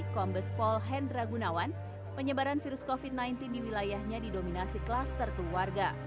kombespol hendra gunawan penyebaran virus covid sembilan belas di wilayahnya didominasi klaster keluarga